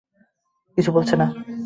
কিছু বলছে না।